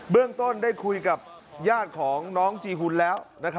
เรื่องต้นได้คุยกับญาติของน้องจีหุ่นแล้ว